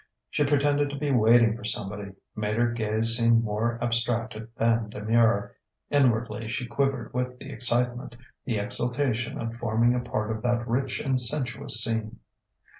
She pretended to be waiting for somebody, made her gaze seem more abstracted than demure. Inwardly she quivered with the excitement, the exaltation of forming a part of that rich and sensuous scene.